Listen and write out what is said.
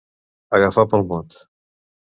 Agafar pel mot.